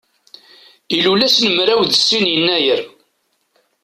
Ilul ass n mraw d sin yennayer.